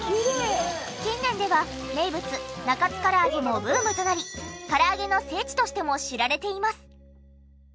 近年では名物中津からあげもブームとなり唐揚げの聖地としても知られています。